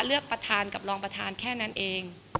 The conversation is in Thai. เลือกประธานกับรองประธานแค่นั้นเอง